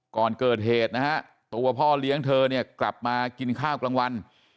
ก่อนเกิดเหตุนะฮะตัวพ่อเลี้ยงเธอเนี่ยกลับมากินข้าวกลางวัน